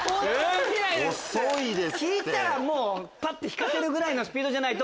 引いたらぱって引かせるぐらいのスピードじゃないと。